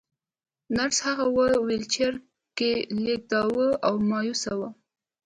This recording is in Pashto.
نرسې هغه په ويلچر کې لېږداوه او مايوسه وه.